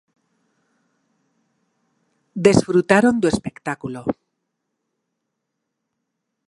Desfrutaron do espectáculo.